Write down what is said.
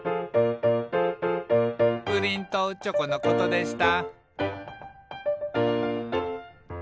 「プリンとチョコのことでした」